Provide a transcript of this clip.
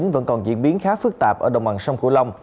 vẫn còn diễn biến khá phức tạp ở đồng bằng sông cửu long